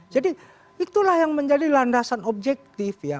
jadi itulah yang menjadi landasan objektif ya